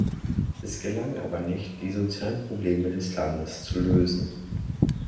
Es gelang aber nicht, die sozialen Probleme des Landes zu lösen.